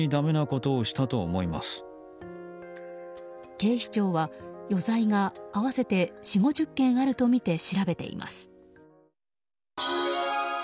警視庁は余罪が合わせて４０５０件あるとみて調べています。